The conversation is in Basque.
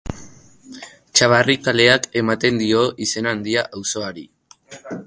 Txabarri kaleak ematen dio izen handia auzoari.